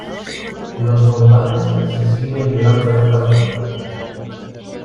Los combates se sigue librado en esta localidad.